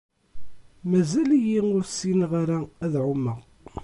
Mazal-iyi ur ssineɣ ara ad ɛummeɣ.